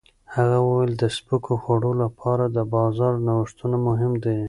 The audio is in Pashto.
هغه وویل د سپکو خوړو لپاره د بازار نوښتونه مهم دي.